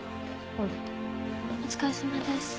お疲れさまです。